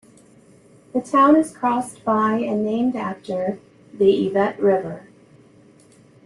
The town is crossed by and named after the Yvette River.